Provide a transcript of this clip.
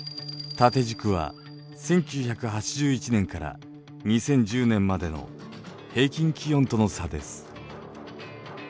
縦軸は１９８１年から２０１０年までの平均気温との差です。